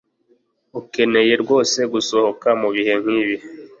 Ukeneye rwose gusohoka mubihe nkibi